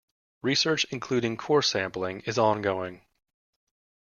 Research including core sampling is ongoing.